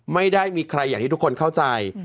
ไม่ได้มีใครอย่างที่ทุกคนเข้าใจ